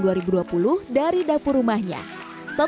setelah itu dia memasak satu porsi dari dapur rumahnya